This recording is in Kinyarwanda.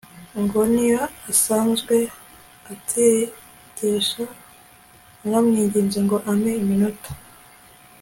ngo niyo asanzwe ategesha naramwinginze ngo ampe iminota